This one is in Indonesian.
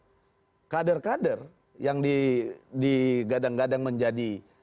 jadi kader kader yang digadang gadang menjadi